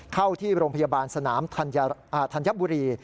เข้าที่โรงพยาบาลสนามธัญบุรี